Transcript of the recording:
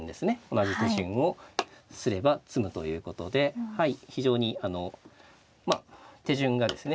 同じ手順をすれば詰むということではい非常に手順がですね